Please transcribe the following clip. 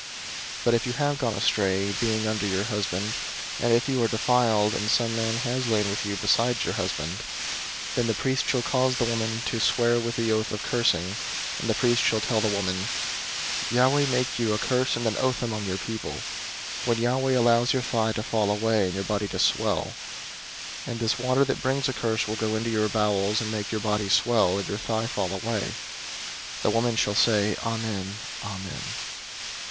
005:020 But if you have gone astray, being under your husband, and if you are defiled, and some man has lain with you besides your husband:' 005:021 then the priest shall cause the woman to swear with the oath of cursing, and the priest shall tell the woman, 'Yahweh make you a curse and an oath among your people, when Yahweh allows your thigh to fall away, and your body to swell; 005:022 and this water that brings a curse will go into your bowels, and make your body swell, and your thigh fall away.' The woman shall say, 'Amen, Amen.'